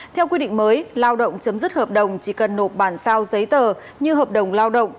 theo quy định mới lao động chấm dứt hợp đồng chỉ cần nộp bản sao giấy tờ như hợp đồng lao động